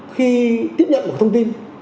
khi tiếp nhận một thông tin